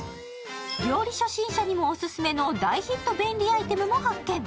料理初心者にもオススメの大人気便利アイテムも発見。